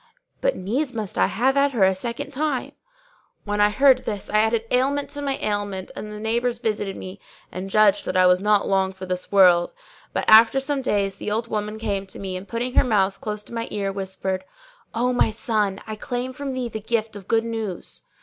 But needs must I have at her a second time."[FN#606] When I heard this it added ailment to my ailment and the neighbours visited me and judged that I was not long for this world; but after some days, the old woman came to me and, putting her mouth close to my ear, whispered, "O my son; I claim from thee the gift of good news."